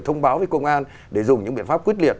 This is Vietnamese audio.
thông báo với công an để dùng những biện pháp quyết liệt